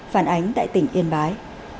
phản ánh tại tỉnh yên bái